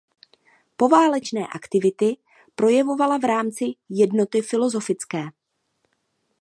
Poválečné aktivity projevovala v rámci Jednoty filozofické.